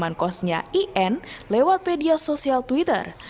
dengan kosnya in lewat media sosial twitter